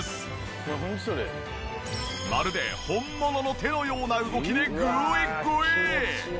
まるで本物の手のような動きでグイグイ！